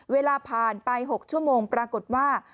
เวลาผ่านไป๖ชั่วโมงปรากฏว่า